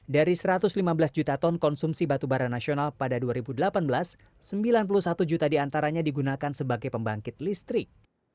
dari satu ratus lima belas juta ton konsumsi batubara nasional pada dua ribu delapan belas sembilan puluh satu juta diantaranya digunakan sebagai pembangkit listrik